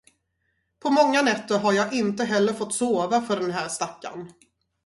På många nätter har jag inte heller fått sova för den här stackarn.